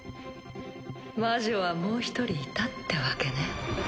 魔女はもう一人いたってわけね。